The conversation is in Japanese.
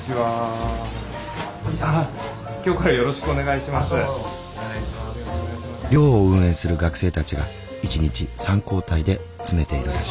寮を運営する学生たちが一日３交代で詰めているらしい。